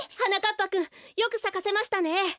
ぱくんよくさかせましたね。